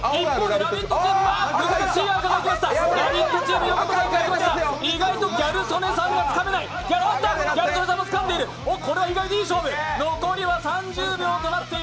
ラヴィットチーム、意外とギャル曽根さんがつかめない。